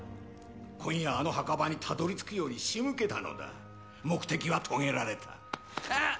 今夜あの墓場にたどり着くようにしむけたのだ目的は遂げられたあっ